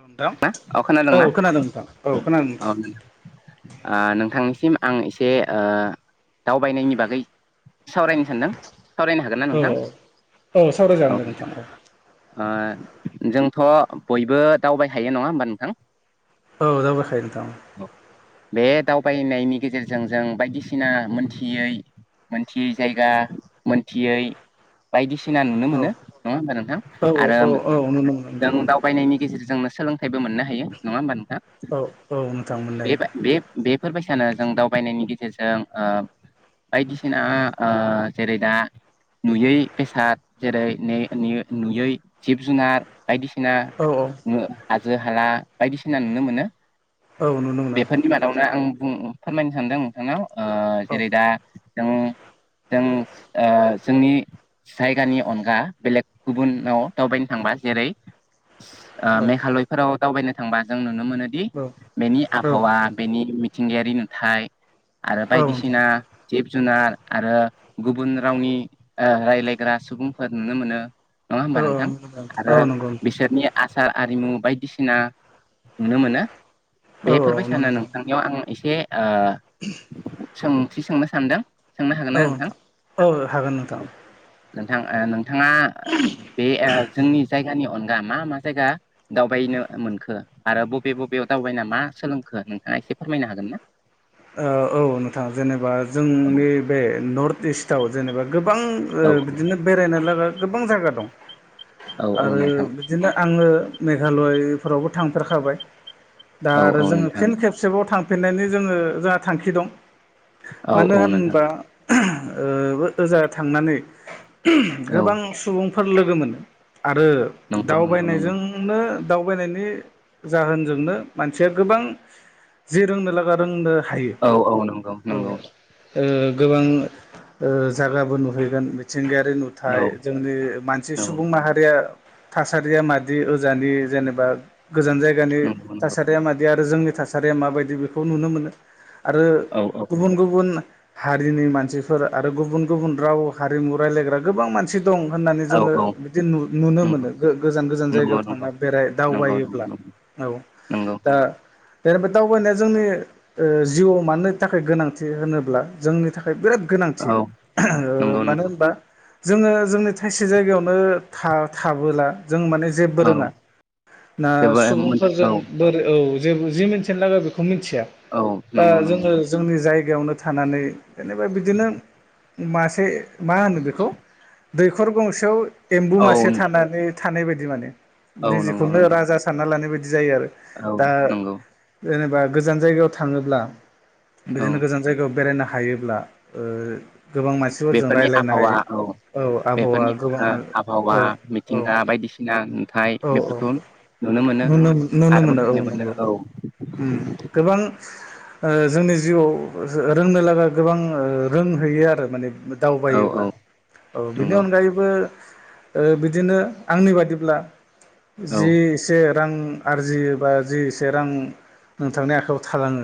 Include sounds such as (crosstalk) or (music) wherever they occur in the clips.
नोंथां ना औ खोनादोंंना खोनादों नोंथां औ खोनादों औ ओ नोंथांनिसिम आं एसे ओ दावबायनायनि बागै सावरायनो सानदों सावरायनो हागोनना औ नोंथां औ नोंथां ओ जों थ' बयबो दावबायखायो नङा होमबा नोंथां औ दावबायखायो नोंथां बे दावबायनायनि गेजेरजों जों बायदिसिना मोनथियै मोनथियै जायगा मोनथियै बायदिसि ना नुनो मोनो नङाोमबा नोंथां औ आरो औ औ नुनो मोनो जों नोंथां दावबायनायनि गेजेरजों सोलोंथाइबो मोननो हायो नङा होमबा नोंथां औ औ नोंथां मोनलायो बेबा बे-बे बेफोरबायसानो जों दावबायनायनि गेजेरजों ओ बायदिसिना ओ जेरै दा नुयै बेसाद जेरै नो-नो-नुयै जिब जुनार बायदिसिना औ औ हाजो हाला बायदिसिना नुनो मोनो औ नुनो मोनो नोंथां बेफोरनि मादावनो आं बुं फोरमायनो सानदों नोंथांनाव ओ औ जेरै दा जों-जों ओ जोंनि जायगानि अनगा बेलेग गुबुनाव दावबायनो थांबा जेरै ओ औ मेघालय दावबायनो थांबा जों नुनो मोनोदि बेनि औ आबहावा बेनि मिथिंगायारि नुथाय आरो औ नोंथां बायदिसिना जिब जुनार आरो गुबुन रावनि ओ रायज्लायग्रा सुबुंफोर नुनो मोनो नङा होमबा औ औ नोंथां आरो औ नंगौ बिसोरनि आसार आरिमु बायदि बायदिसिना नुनो मोनो औ नुनो बेफोरबायसानो मोनो नोंथांनियाव आं एसे ओ सोंथि सोंनो सानदों सोंनो हागोन ना नोंथां औ हागोन नोंथां नोंथाङा बे ओ जोंनि जायगानि अनगा मा मा जायगा दाव बेायनो मोनखो आरो बबे बबेयाव दावबायना मा सोलोंखो नोंथाङा एसे फोरमायनो हागोन ना (inaudible) नोंथाङा जेनेबा जोंनि बे नर्थ इस्टआव जेनेबा गोबां ओ औ बिदिनो बेरायनो लागा गोबां जायगा दं औ औ आरो नोंथां बिदिनो आङो मेघालयफोरावबो थांफेरखाबाय दा औ आरो औ जोङो नोंथां फिन खेबसेबाव थांफिननायनि जोङो जोंहा थांखि दं औ मानो औ नोंथां होनबा ओ ओजा थांनानै औ गोबां सुबुंफोर लोगो मोनो आरो नंगौ नंगौ नंगौ दावबायनायजोंनो दावबायनायनि जाहोनजोंनो मानसिया गोबां जि रोंनो लागा रोंनो हायो औ औ नंगौ ओ नंगौ गोबां जागाबो नुहैगोन बिथि मिथिंगायारि औ नुथाय जोंनि मानसि औ सुबुं माहारिया थासारिया मादि ओजानि नंगौ नंगौ जोंनि थासारिया माबायदि बेखौ नुनो मोनो आरो औ औ गुबुन गुबुन हारिनि मानसिफोर आरो गुबुन गुबुन राव हारिमु रायलायग्रा गोबां मानसि दं होननानै औ जोङो औ बिदि नु नुनो नंगौ मोनो गो गोजान गोजान नंगौ जायगायाव थांना बेराय नंगौ दावबायोब्ला नंगौ नंगौ औ नंगौ दा जेनेबा दावबायनाया जोंनि जिउआव मानो थाखाय गोनांथि होनोब्ला जोंनि थाखाय थाखाय बिराद गोनांथि औ नंगौ मानो नंगौ होनबा जोङो जोंनि थाइसे जायगायावनो था थाबोला जों माने जेबो औ रोङा ना जेबो मोनथि औ सुबुंफोरजों बोर औ जेबो जि मिथिनो लागो बेखौ मिथिया औ दा नंगौ नंगौ जोङो जोंनि जायगायावनो थानानै जेनेबा बिदिनो मासे मा होनो बेखौ दैखर गंसेयाव एम्बु औ मासे थानानै थानाय बायदि माने औ नंगौ निजेखौनो नंगौ राजा सानना लानाय बायदि बिदि जायो आरो औ दा नंगौ जेनेबा गोजान जायगायाव थाङोब्ला औ बिदिनो गोजान जायगायाव बेरायनो हायोब्ला ओ गोबां मानसिफोरजों बेफोरनि रायलायनाय आबहावा औ आबहावा बेफोरनि गोबां ओ आबहावा औ औ मिथिंगा बायदिसिना नुथाय औ बेफोरखौ नुनो मोनो नुनो आरो मोनो औ मोनथिनो नंगौ औ ओम गोबां ओ जोंनि जिउआव रोंनो लागा गोबां रोंहैयो आरो माने औ औ दावबायोब्ला औ बिनि नंगौ अनगायैबो ओ बिदिनो आंनि बादिब्ला औ जि एसे रां आरजियो बा जि एसे रां नोंथांनि आखाइयाव थालाङो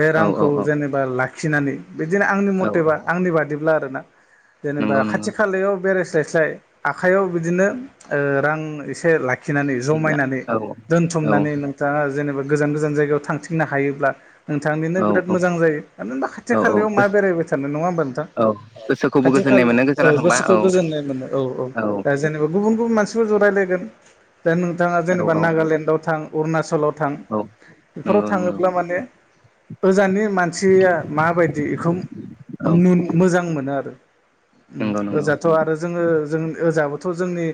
बे औ रांखौ औ जेनेबा लाखिनानै बिदिनो आंनि औ औ मथेबा आंनि बादिब्ला आरोना जेनेबा नंगौ नंगौ खाथि खालायाव बेरायस्लाय स्लाय आखाइयाव बिदिनो ओ रां एसे लाखि -खिनानै दैज्लां जमायनानै औ औ दोनथुमनानै नोंथाङा जेनेबा गोजान गोजान जायगायाव थांथिंनो हायोब्ला नोंथांनिनो औ बिराद औ मोजां जायो आरो ना खाथि औ औ खालायाव मा गोसो बेरायबाय थानो नङा होमबा नोंथां औ गोसोखौबो खाथि गोजोननाय खाल मोनो औ गोजाराखांबा गोसोखौ गोजोननाय मोनो औ औ दा जेनेबा गुबुन गुबुन मानसिफोर जों रायलायगोन दा नोंथाङा औ जेनेबा औ नागालेण्डआव थां अरुणाचलाव थां औ बेफोराव नंगौ नंगौ थाङोब्ला माने गोजाननि मानसिया माबायदि बेखौ औ मोन मोजां मोनो आरो नंगौ नंगौ ओजाथ' आरो जोङो जों ओजाबोथ' जोंनि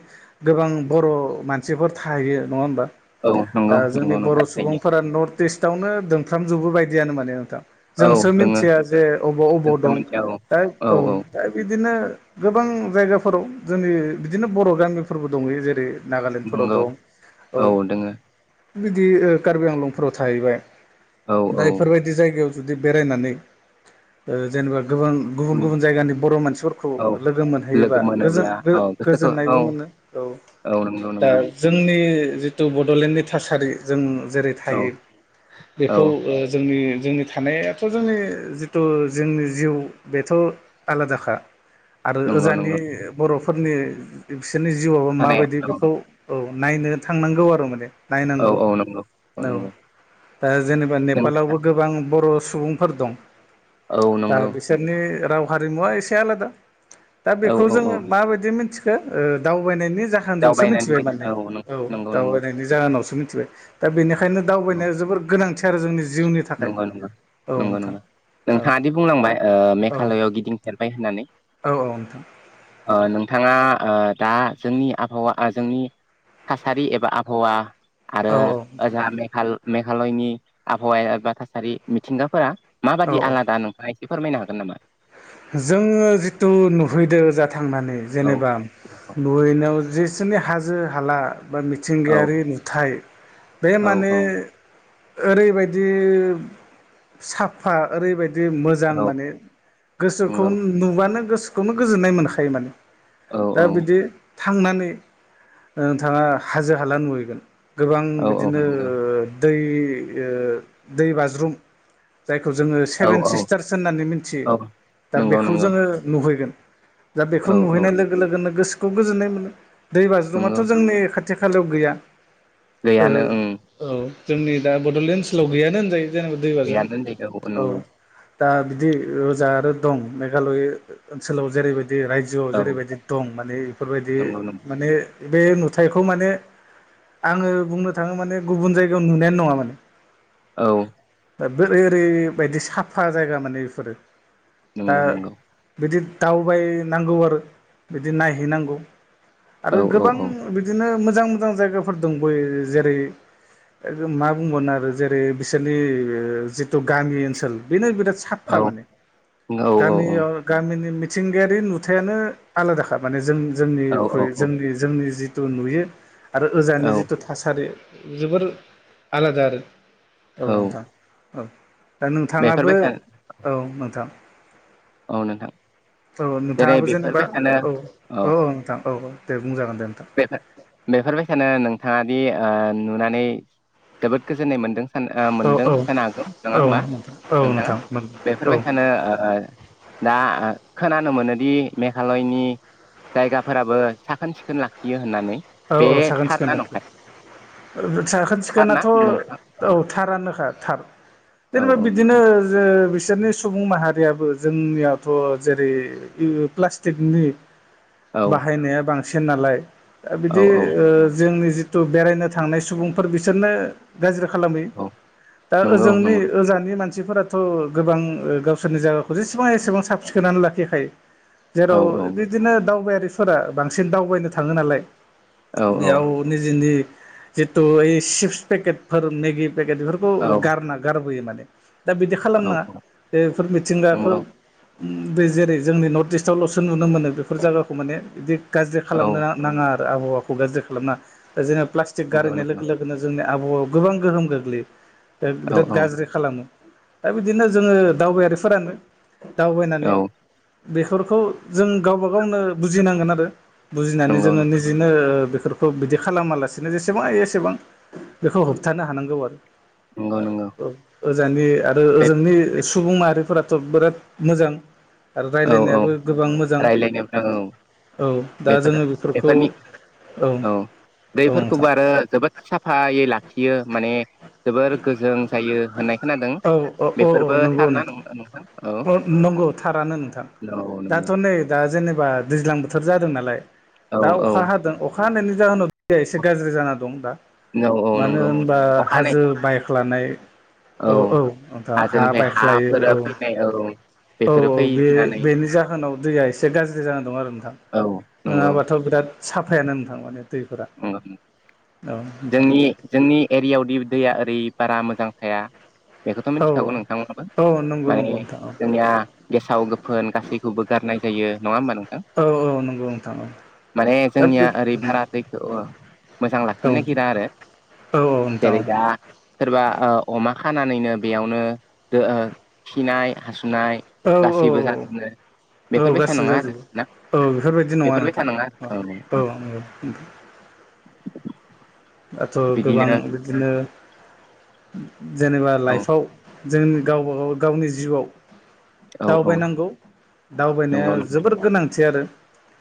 गोबां बर' मानसिफोर थाहैयो नङा होमबा औ नंगौ ओ नंगौ जोंनि बर' नोंथां थायो सुबुंफोरा नर्थ इस्टआवनो दोनफ्रामजोबो बायदियानो माने नोंथां औ जोंसो दोङो मिथिया जे अबाव अबाव नोंथां दं मोनथिया औ दा औ दा बिदिनो गोबां जायगाफोराव जोंनि बिदिनो बर' गामिफोरबो दंहैयो जेरै नागालेण्डफोराव नंगौ दं औ बिदि कार्बि आंलंफोराव थाहैबाय औ दा औ बेफोरबायदि जायगायाव जुदि बेरायनानै ओ जेनेबा गुबुन गुबुन गुबुन जायगानि बर' मानसिफोरखौ औ लोगो मोनहैयोबा लोगो गोजोन मोनोब्ला औ गोसोखौ औ गोजोननायबो मोनो औ औ नंगौ दा नंगौ जोंनि जिथु बड'लेण्डनि थासारि जों जेरै औ थायो औ बेखौ ओ जोंनि जोंनि थानायाथ' जोंनि जिथु जोंनि जिउ बेथ' आलादाखा आरो नंगौ ओजानि नंगौ बर'फोरनि बिसोरनि जिउआवबो माबायदि बेखौ औ नायनो थांनांगौ आरो माने औ नायनांगौ औ नंगौ औ नंगौ दा जेनेबा नों नेपालावबो गोबां बर' सुबुंफोर दं औ दा नंगौ बिसोरनि राव हारिमुवा एसे आलादा दा औ बेखौ औ जोङो औ माबायदि मिनथिखो दावबायनायनि जाहोन सो दावबायनायनि मिनथिबाय माने गेजेरजों औ नंगौ नंगौ दावबायनायनि जाहोनावसो मिथिबाय दा बेनिखायनो औ दावबायनाया जोबोर गोनांथि आरो जोंनि जिउनि थाखाय नंगौ नंगौ औ नंगौ नोंथां नंगौ नोंथाङा दि बुंलांबाय ओ औ मेघालयआव गिदिंफेरबाय होननानै औ औ नोंथां ओ नों थाङा ओ दा जोंनि आबहावा ओ जोंनि थासारि एबा आबहावा आरो औ औ नोंथां ओजा मेघाल मेघालयनि आबहावाय एबा थासारि मिथिंगाफोरा औ माबादि औ आलादा नोंथाङा एसे फोरमायनो हागोन नामा जोङो जिथु नुहैदों ओजा थांनानै औ जेनेबा नुहैनायाव जि बिसोरनि हाजो हाला बा औ मिथिंगायारि नुथाय बे औ माने औ ओरैबायदि साफा ओरैबायदि मोजां औ माने नंगौ गोसोखौ नुबानो गोसोखौनो गोजोननाय मोनखायो माने दा बिदि थांनानै नोंथाङा हाजो हाला नुहैगोन गोबां औ बिदिनो ओ दै ओ दै बाज्रुम जायखौ जोङो औ सेभेन औ नंगौ औ सिस्टार्स होननानै मिथियो दा नंगौ बेखौ नंगौ जोङो नुहैगोन दा बेखौ औ औ नुहैनाय लोगो लोगोनो गोसोखौ गोजोननाय मोनो दै नंगौ बाज्रुमाथ' जोंनि खाथि खाथि खालायाव गैया ओ गैयानो ओं औ जोंनि दा बड'लेण्ड ओनसोलाव गैयानो होनजायो जेनेबा दै बाज्रुम गैयानो होनजायो औ नंगौ दा बिदि रोजा आरो दं मेघालय ओनसोलाव जेरैबायदि रायजोआव औ जेरैबायदि दं माने बेफोरबायदि नंगौ नंगौ माने बे नुथायखौ माने आङो बुंनो थाङो माने गुबुन जायगायाव नुनायानो नङा माने औ दा बोरै ओरैबायदि साफा जायगा माने बेफोरो दा नंगौ नंगौ बिदि दावबायनांगौ आरो बिदि नायहैनांगौ औ आरो औ गोबां बिदिनो मोजां मोजां जायगाफोर दंबयो जेरै मा बुंबावनो आरो जेरै बिसोरनि ओ जिथु गामि ओनसोल बेनो बिराद औ साफा माने औ गामियाव गामि मिथिंगायारि नुथायानो आलादाखा माने जों औ जोंनिख्रुइ जोंनि जोंनि जि तु नुयो आरो औ ओजाननि जितु थासारि जोबोर आलादा आरो औ नोंथां औ दा नोंथाङाबो बेफोरबायसा औ नोंथां औ नोंथां औ जेरै नोंथाङाबो जेनेबा बेफोरबायसानो औ औ नोंथां औ औ दे बुंजागोन दे नोंथां बे-बे-बेफोर बायसानो नोंथाङा बि ओ नुनानै जोबोद गोजोननाय मोन्दों ओ औ मोनदों औ जानो हागौ नङा औ होमबा नोंथां औ नोंथाङा नोंथां औ बेफोरबायसानो ओ दा ओ खोनानो मोनोदि मेघालयनि जायगाफोराबो साखोन सिखोन लाखियो होननानै औ बे औ साखोन सिखोन थारना लाखियो नंखाय साखोन थारना सिखोनाथ' नोंथां औ थारानोखा थार औ जेनेबा औ बिदिनो नोंथां जे बि- सोरनि सुबुं माहारियाबो जोंनियाथ' जेरै ओ प्लास्टिकनि औ बाहायनाया बांसिन नालाय दा औ बिदि औ ओ जोंनि जिथु बेरायनो थांनाय सुबुंफोर बिसोरनो गाज्रि खालामो औ दा नंगौ ओजोंनि नंगौ ओजानि मानसि मानसिफोराथ' गोबां गावसोरनि जायगाखौ जेसेबां एसेबां साब सिखोनानै लाखिखायो औ जेराव बिदिनो दावबायारिफोरा बांसिन दावबायनो थाङो नालाय औ बेयाव निजेनि जितु ओइ चिप्स पेकेटफोर मिगि पेकेटफोरखौ औ गारना गारबोयो माने दा बिदि औ खालामना औ बेफोर मिथिंगाखौ नंगौ ओम बि जेरै जोंनि नर्थ इस्टआवल'सो नुनो मोनो बेफोर जायगाखौ माने बिदि गाज्रि औ खालामनो नाङा आरो आबहावाखौ गाज्रि खालामनाङा जोङो प्लास्टिक नंगौ गारायनाय लोगो नंगौ - लोगोनो जोंनिया आबहावायाव गोबां गोहोम गोग्लैयो दा औ बिराद गाज्रि खालामो दा बिदिनो जोङो दावबायारिफोरानो दावबायनानै औ बेफोरखौ जों गावबा गावनो बुजिनांगोन आरो बुजिनानै नंगौ जोङो निजि ओ बेफोरखौ बिदि खालामा लासिनो जेसेबां हायो एसेबां बेखौ होबथानो हानांगौ आरो नंगौ नंगौ ओ ओ ओजानि आरो बे ओजोंनि सुबुं माहारिफोराथ' बिराद मोजां आरो औ औ राय्लायनायाबो गोबां मोजां रायलायनो औ औ दा बेफोर जोङो बेफोरखौ बेफोरनि औ औ नोंथां दैफोरखौबो आरो जोबोद साफायै लाखियो माने जोबोर गोजों जायो होननाय खोनादों औ औ औ औ बेफोरबो नंगौ थार ना नोंथां औ नंगौ थारानो नोंथां औ नंगौ दाथ' नै दा जेनेबा दैज्लां बोथोर जादों नालाय औ दा औ अखा हादों अखा अखा हानायनि जाहोनाव एसे गाज्रि जाना दं दा औ औ मानो नंगौ होनबा अखानायै हाजो बायख्लानाय औ नोंथां हा हाजोनिफ्राय बायख्लायो औ हाफोरा फैनाय औ औ बेफोरो -औ बे फैनानै बेनि जाहोनाव दैया एसे गाज्रि जानानै दं आरो नोंथां औ नंगौ नङाबाथ' बिराद साफायानो नोंथां माने दैफोरा ओम औ नोंथां जोंनि -जोंनि एरियावदि दैया ओरै बारा मोजां थाया बेखौथ' औ मिथिखागौ नोंथांमोनाबो औ नंगौ माने नंगौ नोंथां औ जोंनिया गेसाव गोफोन गासैखौबो गारनाय होयो नङा होनबा नोंथां औ -औ नंगौ नोंथां औ माने दा बे जोंनिया ओरै भारा दैखौ औ मोजां औ लाखिनो नागिरा आरो औ नोंथां जेरै औ दा सोरबा ओ अमा खानानैनो बेयावनो दो ओ खिनाय हासु नाय औ औ गासैबो जादों औ बेफोरबायसा गासिबो नङा आरो जाजोबो ना औ बेफोरबायदि नङा बेफोरबायसा आरो नोंथाङा औ -औ दाथ' औ गोबां बिदिनो बिदिनो जेनेबा औ लाइफआव जोंनि गावबागाव गावनि जिउआव औ औ दावबायनांगौ दावबायनाया नंगौ नंगौ जोबोर गोनांथि आरो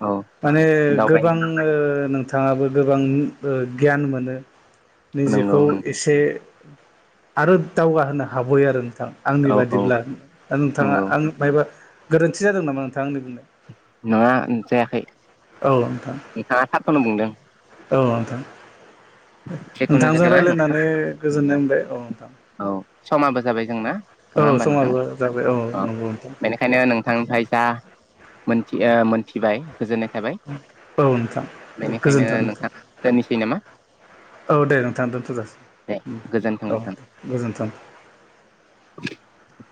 औ माने दावबाय गोबां ओ नों थाङाबो गोबां गियान मोनो नंगौ निजेखौ एसे आरो दावगा होनो हाबायो आरो नोंथां नोंथां आंनि नंगौ औ औ बादिब्ला नोंथाङा नंगौ आं बाहायबा गोरोन्थि जादों नामा नोंथा आंनि बुंनाया नङा जायाखै औ नोंथां नोंथाङा थारखौनो बुंदों। औ नोंथां। जेखुनु नोंथांजों जादोआ नोंथां रायलायनानै गोजोननाय जोंना मोनबाय औ नोंथां। औ समाबो जाबाय जोंना। नङा औ होमबा नोंथां? समाबो जाबाय औ नंगौ नोंथां बेनिखायनो नोंथांनिफ्राय जा मोनथिओ- मोनथिबाय गोजोननाय थाबाय औ नोंथां बेनिखायनो नोंथां दोननिसै नामा? औ दे नोंथाङा दोनथ' दे जासि गोजोन्थों औ नोंथां गोजोन्थों। (inaudible)